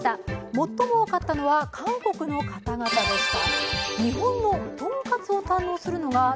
最も多かったのは韓国の方々でした。